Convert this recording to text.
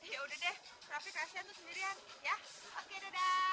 yaudah deh rafi kasih aja sendiri